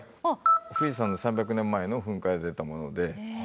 富士山の３００年前の噴火で出たもので。